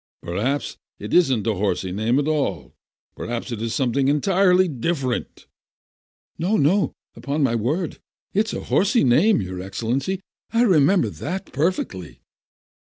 "Perhaps it isn't a horsey name at all? Perhaps it is something entirely different?" "No, no, upon my word, it's a horsey name, your Excellency, I remember that perfectly."